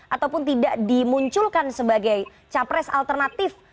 ataupun tidak dimunculkan sebagai capres alternatif